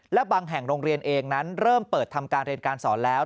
และบางแห่งโรงเรียนเองนั้นเริ่มเปิดทำการเรียนการสอนแล้ว